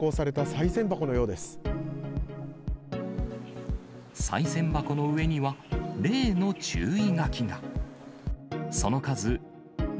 さい銭箱の上には、例の注意書きが。